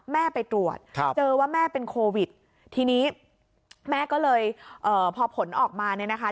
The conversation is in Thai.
ไปตรวจครับเจอว่าแม่เป็นโควิดทีนี้แม่ก็เลยเอ่อพอผลออกมาเนี่ยนะคะ